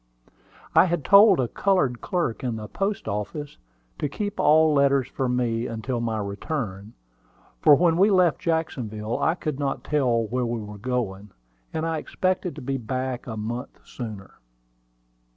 I had told a colored clerk in the post office to keep all letters for me until my return, for when we left Jacksonville I could not tell where we were going, and I expected to be back a month sooner.